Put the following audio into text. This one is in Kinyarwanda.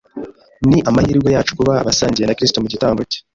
Ni amahirwe yacu kuba abasangiye na Kristo mu gitambo cye.